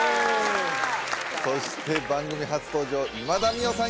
そして番組初登場今田美桜さん